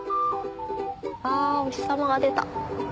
あお日さまが出た。